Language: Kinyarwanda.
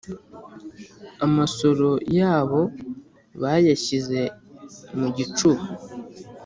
amasoro yáabo baayashyize mu gicúba